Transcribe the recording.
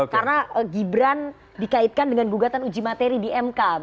karena gibran dikaitkan dengan gugatan uji materi di mk